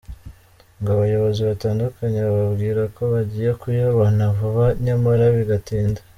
Ngo abayobozi batandukanye bababwira ko bagiye kuyabona vuba nyamara bigatinda.